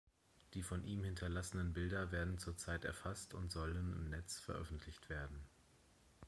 Die von ihm hinterlassenen Bilder werden zurzeit erfasst und sollen im Netz veröffentlicht werden.